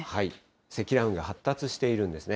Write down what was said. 積乱雲が発達しているんですね。